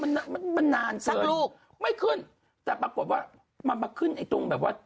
มันนานเกินไม่ขึ้นแต่ปรากฏว่ามันมาขึ้นตรงแบบว่า